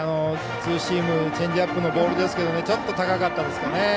ツーシームチェンジアップのボールですけどちょっと高かったですかね。